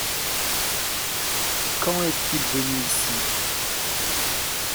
Quand est-il venu ici ?